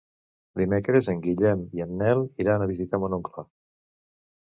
Dimecres en Guillem i en Nel iran a visitar mon oncle.